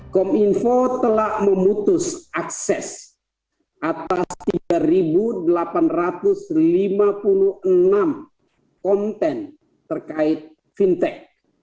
kominfo telah memutus akses atas tiga delapan ratus lima puluh enam konten terkait fintech